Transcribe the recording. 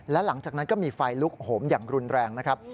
และหลังจากนั้นก็มีไฟลุกโหมอย่างรุนแรงนะครับ